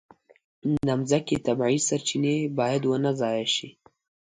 د مځکې طبیعي سرچینې باید ونه ضایع شي.